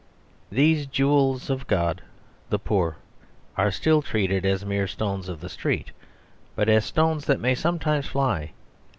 These jewels of God, the poor, are still treated as mere stones of the street; but as stones that may sometimes fly.